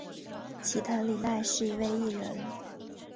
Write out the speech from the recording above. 齐藤里奈是一位艺人。